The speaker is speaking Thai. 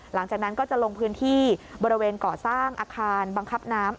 หลังจากนั้นก็จะลงพื้นที่บริเวณก่อสร้างอาคารบังคับน้ำ